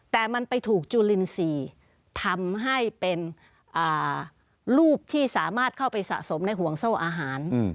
แต่มันไปถูกจุลินทรีย์ทำให้เป็นรูปที่สามารถเข้าไปสะสมในห่วงโซ่อาหาร